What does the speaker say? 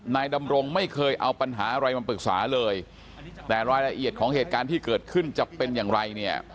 นายดำรงไม่เคยเอาปัญหาอะไรมาปรึกษาเลยแต่รายละเอียดของเหตุการณ์ที่เกิดขึ้นจะเป็นอย่างไรเนี่ย